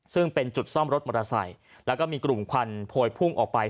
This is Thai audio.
ซึ่งเป็นจุดซ่อมรถมอเตอร์ไซค์แล้วก็มีกลุ่มควันโพยพุ่งออกไป